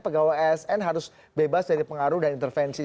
pegawai asn harus bebas dari pengaruh dan intervensi